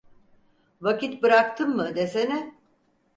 Vakit bıraktım mı desene…